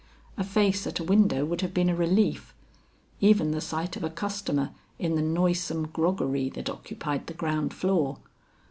A face at a window would have been a relief; even the sight of a customer in the noisome groggery that occupied the ground floor.